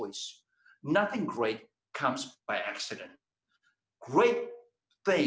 tidak ada yang besar yang terjadi secara kesalahan